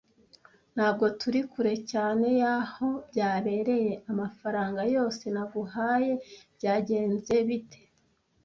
Ntabwo turi kure cyane y'aho byabereye. Amafaranga yose naguhaye byagenze bite?